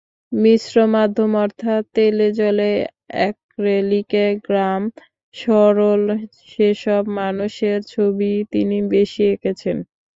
মিশ্র মাধ্যম, অর্থাৎ তেলে-জলে-অ্যাক্রেলিকে গ্রাম, সরল সেসব মানুষের ছবিই তিনি বেশি এঁকেছেন।